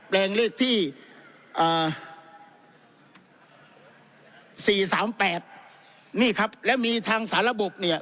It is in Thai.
แปลงเลขที่อ่าสี่สามแปดนี่ครับแล้วมีทางสารบบเนี่ย